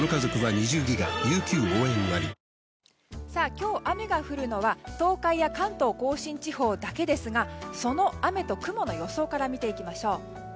今日雨が降るのは東海や関東・甲信地方だけですがその雨と雲の予想から見ていきましょう。